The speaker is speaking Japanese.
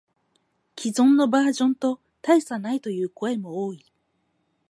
既存のバージョンと大差ないという声も多い